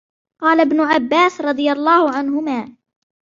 وَقَالَ ابْنُ عَبَّاسٍ رَضِيَ اللَّهُ عَنْهُمَا